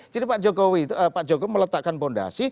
jadi pak jokowi meletakkan fondasi